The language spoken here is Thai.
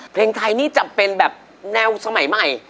เพลงไทยนี่จะเป็นแบบแนวสมัยใหม่